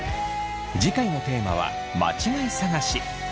次回のテーマは「間違い探し」。